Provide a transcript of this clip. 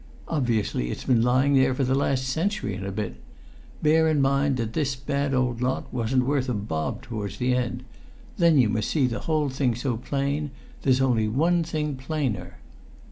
Obviously it's been lying there for the last century and a bit. Bear in mind that this bad old lot wasn't worth a bob towards the end; then you must see the whole thing's so plain, there's only one thing plainer."